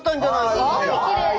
すごいきれい。